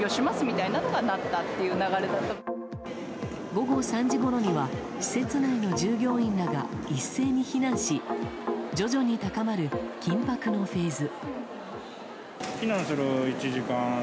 午後３時ごろには施設内の従業員らが一斉に避難し徐々に高まる緊迫のフェーズ。